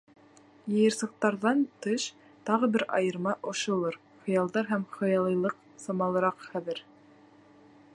Йыйырсыҡтарҙан тыш тағы бер айырма ошолор: хыялдар һәм хыялыйлыҡ самалыраҡ хәҙер.